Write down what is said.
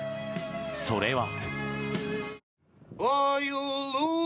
それは。